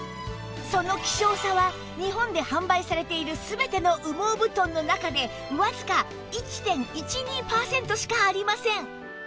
その希少さは日本で販売されている全ての羽毛布団の中でわずか １．１２ パーセントしかありません